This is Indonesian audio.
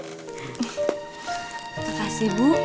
terima kasih bu